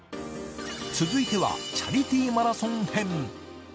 続いては、チャリティーマラソン編。